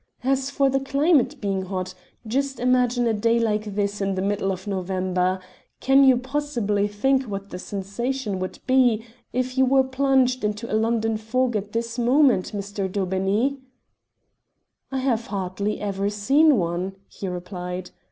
As for the climate being hot, just imagine a day like this in the middle of November. Can you possibly think what the sensation would be if you were plunged into a London fog at this moment, Mr. Daubeney?" "I have hardly ever seen one," he replied.